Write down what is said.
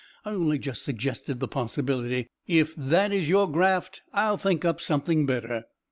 I only just suggested the possibility. If that is your graft, I'll think up something better."